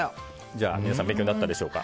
皆さん勉強になったでしょうか。